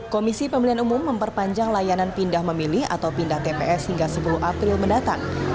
komisi pemilihan umum memperpanjang layanan pindah memilih atau pindah tps hingga sepuluh april mendatang